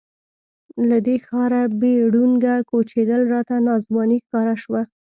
له دې ښاره بې ډونګه کوچېدل راته ناځواني ښکاره شوه.